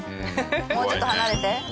もうちょっと離れて。